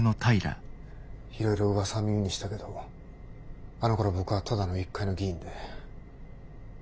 いろいろうわさは耳にしたけどあのころ僕はただの一介の議員で。